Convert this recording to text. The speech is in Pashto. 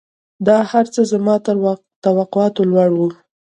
دا هرڅه زما تر توقعاتو لوړ وو.